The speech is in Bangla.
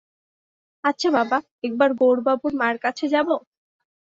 আচ্ছা বাবা, একবার গৌরবাবুর মার কাছে যাব?